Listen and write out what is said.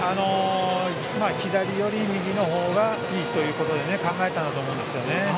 左より右の方がいいということで考えたんだと思います。